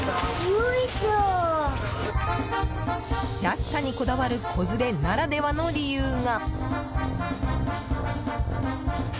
安さにこだわる子連れならではの理由が。